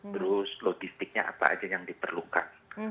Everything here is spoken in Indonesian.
terus logistiknya apa aja yang diperlukan